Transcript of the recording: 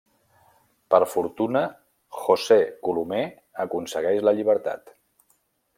Per fortuna, José Colomer aconsegueix la llibertat.